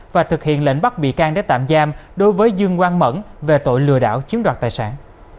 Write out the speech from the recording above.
và thực hiện lệnh bắt bị can để tạm giam đối với dương quang mẫn về tội lừa đảo chiếm đoạt tài sản